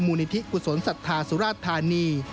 มูลิธิกุศลสัทธาสุราธานี